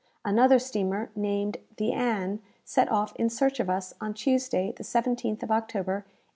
Another steamer, named the "Ann," set off in search of us on Tuesday the 17th of October, 1854.